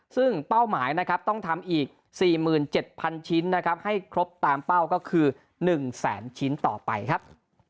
ซึ่งเป้าหมายต้องทำอีก๔๗๐๐๐ชิ้นให้ครบตามเป้าก็คือ๑๐๐๐๐๐ชิ้นต่อไปครับ